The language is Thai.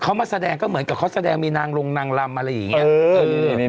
เขามาแสดงก็เหมือนกับเขาแสดงมีนางลงนางลำอะไรอย่างนี้